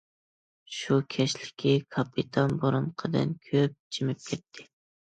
شۇ كەچلىكى كاپىتان بۇرۇنقىدىن كۆپ جىمىپ كەتتى.